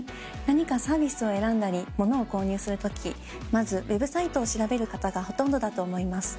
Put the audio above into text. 何かサービスを選んだり物を購入する時まずＷｅｂサイトを調べる方がほとんどだと思います。